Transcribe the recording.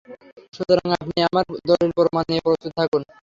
সুতরাং আপনি আপনার দলীল প্রমাণ নিয়ে প্রস্তুত থাকুন।